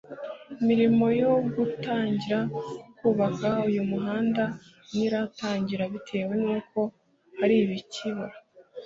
imirimo yo gutangira kubaka uyu muhanda ntiratangira bitewe nuko hari ibikibura